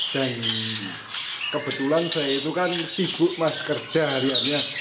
dan kebetulan saya itu kan sibuk mas kerja hariannya